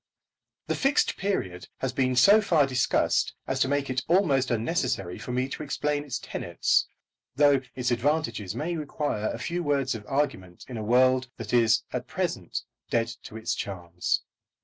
The Fixed Period has been so far discussed as to make it almost unnecessary for me to explain its tenets, though its advantages may require a few words of argument in a world that is at present dead to its charms.